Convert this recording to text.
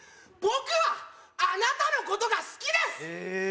僕はあなたのことが好きです！